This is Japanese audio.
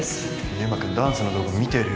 祐馬君ダンスの動画見てるよ